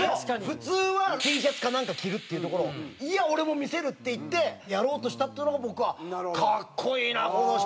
普通はＴシャツかなんか着るっていうところを「いや俺も見せる」って言ってやろうとしたっていうのが僕は格好いいなこの人って思うんですよね。